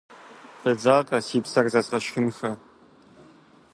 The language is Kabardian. Федзакъэ, си псэр зэзгъэшхынхэ.